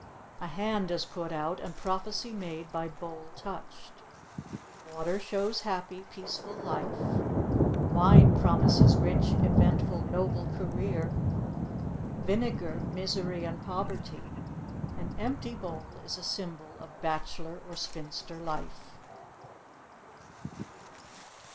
A hand is put out and prophecy made by bowl touched. Water shows happy, peaceful life; wine promises rich, eventful, noble career; vinegar, misery and poverty; an empty bowl is a symbol of bachelor or spinster life.